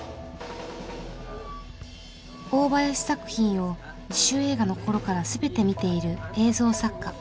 大林作品を自主映画の頃から全て見ている映像作家